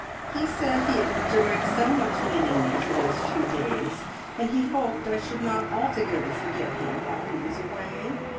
He said he had enjoyed so much meeting me for those few days, and he hoped I should not altogether forget him while he was away.